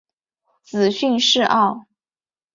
子荀逝敖。